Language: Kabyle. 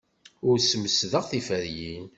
Ur smesdeɣ tiferyin.